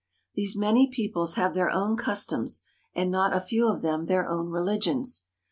These many peoples have their own customs, and not a few of them their own religions.